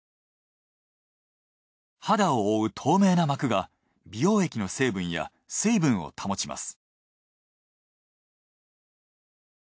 肌を覆う透明な膜が美容液の成分や水分を保ちます。